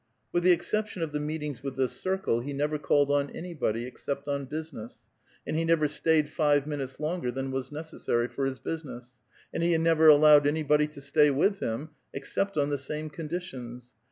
With the exception of the meetings with this circle, he never . called on anybody, except on business, and he never stayed five minutes longer than was necessar}' for his business ; and he never allowed anybody to stay with him, except on the same conditions.